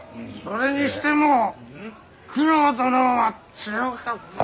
それにしても九郎殿は強かった。